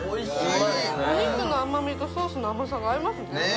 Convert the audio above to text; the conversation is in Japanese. お肉の甘みとソースの甘さが合いますね。